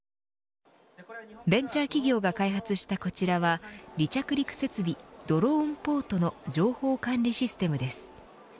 ベンチャー企業が開発したこちらは離着陸設備ドローンポートの情報管理システムです。